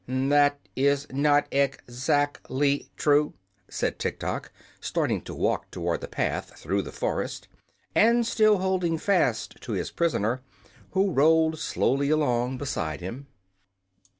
"That is not ex act ly true," said Tiktok, starting to walk toward the path through the forest, and still holding fast to his prisoner, who rolled slowly along beside him.